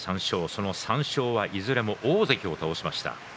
その３勝はいずれも大関を倒しました。